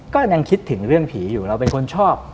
ก็ยังคิดถึงเรื่องผีอยู่เราเป็นคนชอบ